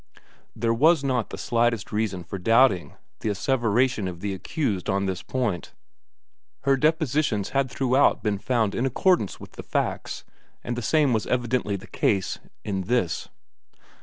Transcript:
There was not the slightest reason for doubting the asseveration of the accused on this point; her depositions had throughout been found in accordance with the facts, and the same was evidently the case in this.